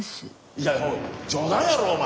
いやおい冗談やろお前！